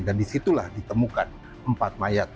dan disitulah ditemukan empat mayat